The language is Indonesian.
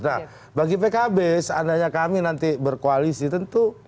nah bagi pkb seandainya kami nanti berkoalisi tentu